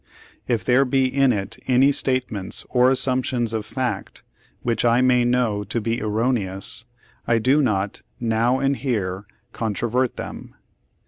"If there be in it any statements or assumptions of fact which I may know to be erroneous, I do not now and here controvert them.